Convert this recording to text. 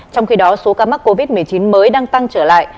trong khi đó số ca mắc covid một mươi chín mới đang tăng trở lại